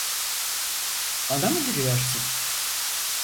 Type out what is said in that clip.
Bana mı gülüyorsun?